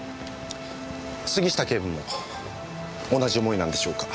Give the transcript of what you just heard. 杉下警部も同じ思いなんでしょうか？